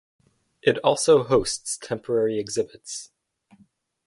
It also hosts temporary exhibits.